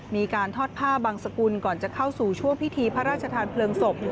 มีการทอดผ้าบังสกุลก่อนจะเข้าสู่ช่วงพิธีพระราชทานเพลิงศพ